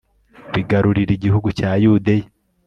bigarurira igihugu cya yudeya